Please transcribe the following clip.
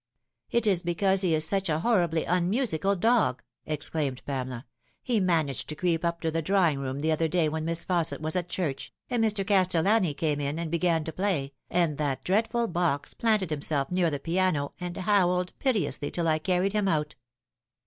"It is because he is such a horribly unmusical dog," ex plained Pamela. " He managed to creep up to the drawing room the other day, when Miss Fausset was at church, and Mr. Castellani came in and began to play, and that dreadful Box planted himself near the piano and howled piteously till I car ried him out."